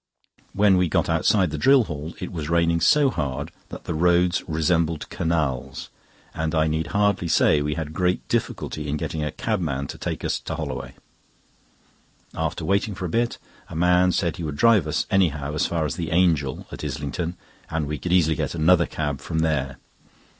When we got outside the Drill Hall it was raining so hard that the roads resembled canals, and I need hardly say we had great difficulty in getting a cabman to take us to Holloway. After waiting a bit, a man said he would drive us, anyhow, as far as "The Angel," at Islington, and we could easily get another cab from there.